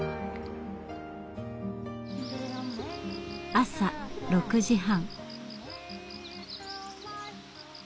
朝６時半。